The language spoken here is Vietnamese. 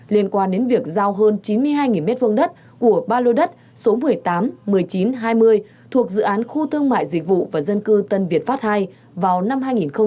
liên quan đến việc giao hơn chín mươi hai m hai đất của ba lô đất số một mươi tám một mươi chín hai mươi thuộc dự án khu thương mại dịch vụ và dân cư tân việt pháp ii vào năm hai nghìn một mươi